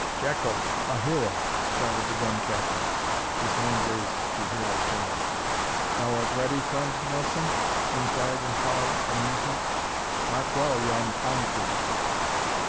"Jakul, a Hero!" shouted the gun captain, his hand raised to Hero Giles. "Thou art ready, Friend Nelson?" he inquired in tolerant amusement. "Mark well yon pine tree!